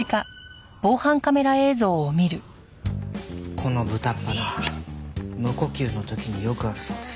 この豚っ鼻無呼吸の時によくあるそうです。